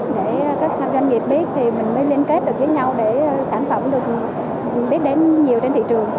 để các doanh nghiệp biết thì mình mới liên kết được với nhau để sản phẩm được biết đến nhiều trên thị trường